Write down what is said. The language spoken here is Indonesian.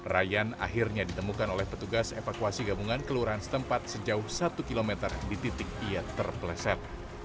ryan akhirnya ditemukan oleh petugas evakuasi gabungan kelurahan setempat sejauh satu km di titik ia terpleset